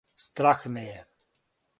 Страх ме је.